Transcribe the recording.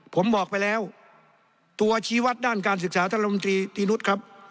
ผมบอกไปแล้วตัวชี้วัดด้านการศึกษาท่านลมตรีปีนุษย์ครับ